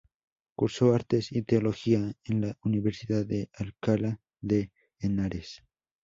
Cursó artes y teología en la Universidad de Alcalá de Henares.